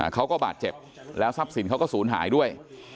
เขาก็บาดเจ็บแล้วทรัพย์สินเขาก็ศูนย์หายด้วย